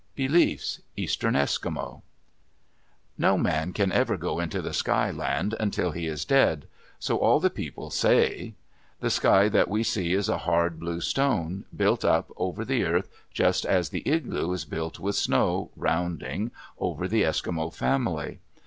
BELIEFS Eastern Eskimo No man can ever go into the Sky Land until he is dead; so all the people say. The sky that we see is a hard, blue stone, built up over the earth just as the igloo is built with snow, rounding, over the Eskimo family.